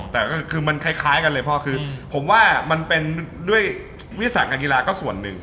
แต่ก็คือมันคล้ายกันเลยพ่อคือผมว่ามันเป็นด้วยวิทยาศาสตร์การกีฬาก็ส่วนหนึ่ง